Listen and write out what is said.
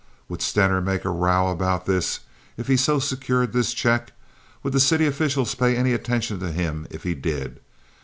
Would Stener make a row about this if he so secured this check? Would the city officials pay any attention to him if he did?